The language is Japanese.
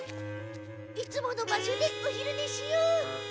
いつもの場所でおひるねしよう！